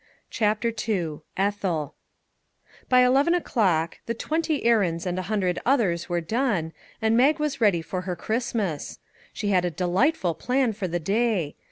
26 CHAPTER II ETHEL BY eleven o'clock the " twenty errands " and a hundred others were done, and Mag was ready for her Christmas. She had a delightful plan for the day.